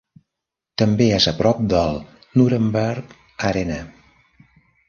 També és a prop del Nuremberg Arena.